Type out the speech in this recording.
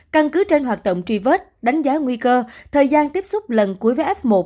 căn cứ trên hoạt động truy vết đánh giá nguy cơ thời gian tiếp xúc lần cuối với f một